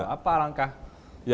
apa langkah konkretnya